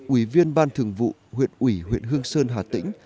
ủy viên ban thường vụ huyện ủy huyện hương sơn hà tĩnh